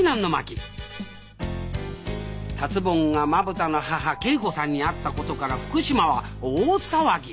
達ぼんがまぶたの母桂子さんに会ったことから福島は大騒ぎ。